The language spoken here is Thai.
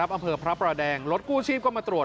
อำเภอพระประแดงรถกู้ชีพก็มาตรวจ